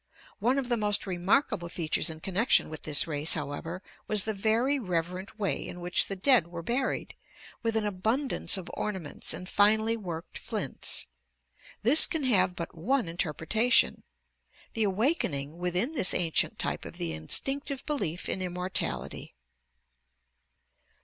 One of the most remarkable features in connection with this race, however, was the very rev erent way in which the dead were buried, with an abund " "£T M^t^S^T ance of ornaments and finely worked flints. This can have but one interpretation, the awakening within this ancient type of the instinctive belief in immortality!